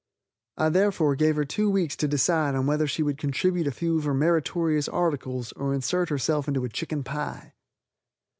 I therefore gave her two weeks to decide on whether she would contribute a few of her meritorious articles or insert herself into a chicken pie.